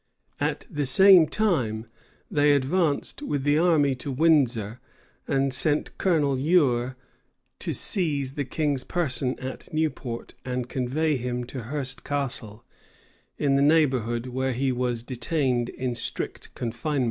At the same time, they advanced with the army to Windsor, and sent Colonel Eure to seize the king's person at Newport, and convey him to Hurst Castle, in the neighborhood, where he was detained in strict confinement.